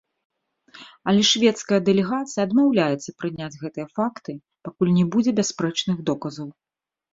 Але шведская дэлегацыя адмаўляецца прыняць гэтыя факты, пакуль не будзе бясспрэчных доказаў.